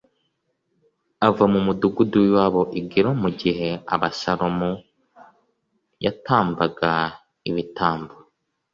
ava mu mudugudu w’iwabo i Gilo mu gihe Abusalomu yatambaga ibitambo.